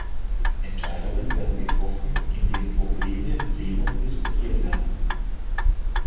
Entscheidungen werden getroffen, indem Probleme im Plenum diskutiert werden.